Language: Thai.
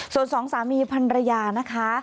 ส่วนสองสามีพันรยานะคะ